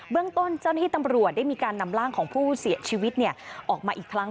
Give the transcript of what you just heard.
เรื่องต้นเจ้าหน้าที่ตำรวจได้มีการนำร่างของผู้เสียชีวิตออกมาอีกครั้ง